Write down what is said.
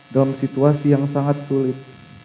dalam situasi yang sangat sulit